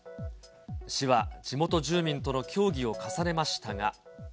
市は地元住民との協議を重ねましたが。